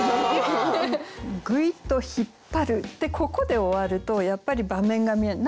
「ぐいと引っ張る」ってここで終わるとやっぱり場面が見えない。